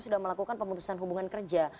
sudah melakukan pemutusan hubungan kerja